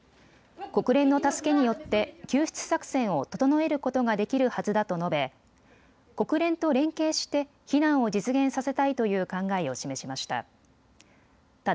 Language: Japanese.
国連の助けによって救出作戦を整えることができるはずだと述べ国連と連携して避難を実現させたいという考えを示しました。